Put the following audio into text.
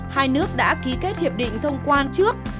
hai nước đã ký kết hiệp định thông quan trước